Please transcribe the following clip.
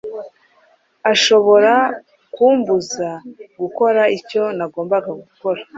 aishobora kumbuza gukora icyo nagombaga gukora.